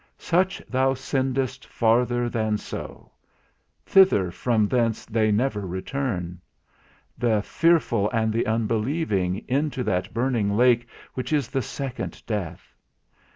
Such thou sendest farther than so; thither from whence they never return: The fearful and the unbelieving, into that burning lake which is the second death.